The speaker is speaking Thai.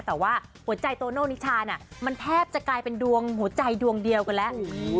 แต่ว่าหัวใจโตโน่นิชาน่ะมันแทบจะกลายเป็นดวงหัวใจดวงเดียวกันแล้ว